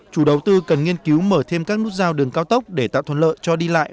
chủ đầu tư cần nghiên cứu mở thêm các nút giao đường cao tốc để tạo thuận lợi cho đi lại